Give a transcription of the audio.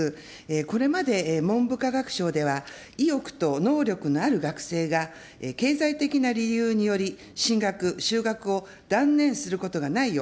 これまで文部科学省では、意欲と能力のある学生が、経済的な理由により、進学、就学を断念することがないよう、